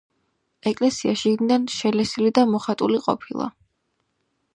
ეკლესია შიგნიდან შელესილი და მოხატული ყოფილა.